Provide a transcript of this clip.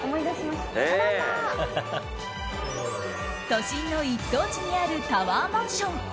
都心の一等地にあるタワーマンション。